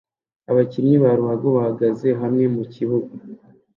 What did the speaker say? Abakinyi ba ruhago bahagaze hamwe mukibuga